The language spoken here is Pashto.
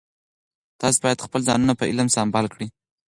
تاسو باید خپل ځانونه په علم سمبال کړئ.